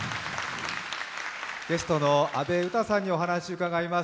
ゲストの阿部詩さんにお話を伺います。